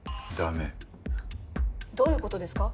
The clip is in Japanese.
どういう事ですか？